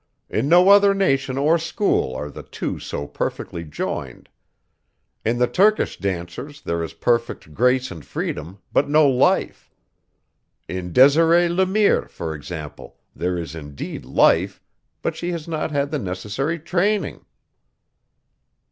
In no other nation or school are the two so perfectly joined. In the Turkish dancers there is perfect grace and freedom, but no life. In Desiree Le Mire, for example, there is indeed life; but she has not had the necessary training."